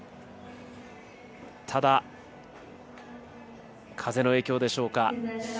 ただ、風の影響でしょうか。